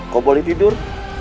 kau boleh tidur